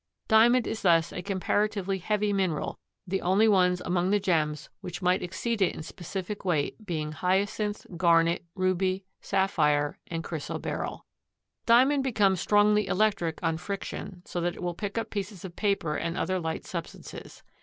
Diamond is thus a comparatively heavy mineral, the only ones among the gems which much exceed it in specific weight being hyacinth, garnet, ruby, sapphire and chrysoberyl. Diamond becomes strongly electric on friction so that it will pick up pieces of paper and other light substances.